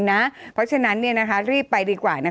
เพราะฉะนั้นรีบไปดีกว่า